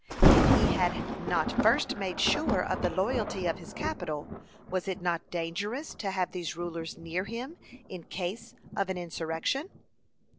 If he had not first made sure of the loyalty of his capital, was it not dangerous to have these rulers near him in case of an insurrection?